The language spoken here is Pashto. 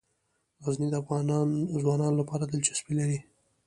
غزني د افغان ځوانانو لپاره دلچسپي لري.